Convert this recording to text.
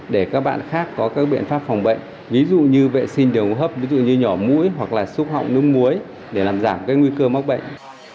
để các bạn khác có các biện pháp phòng bệnh ví dụ như vệ sinh đường hấp ví dụ như nhỏ mũi hoặc là xúc họng nước muối để làm giảm cái nguy cơ mắc bệnh